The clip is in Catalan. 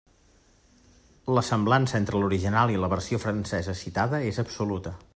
La semblança entre l'original i la versió francesa citada és absoluta.